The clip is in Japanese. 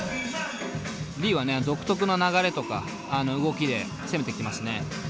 Ｌｅｅはね独特な流れとか動きで攻めてきてますね。